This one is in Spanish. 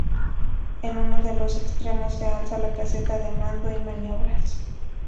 En uno de los extremos se alza la caseta de mando y maniobras.